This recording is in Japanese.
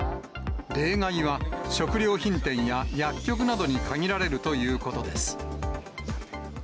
例外は食料品店や薬局などに限られるということです。